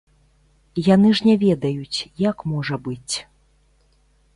Яны ж не ведаюць, як можа быць.